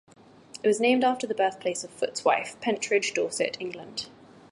It was named after the birthplace of Foot's wife: Pentridge, Dorset, England.